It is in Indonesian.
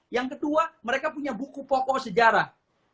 yang kedua mereka punya buku pokok sejarah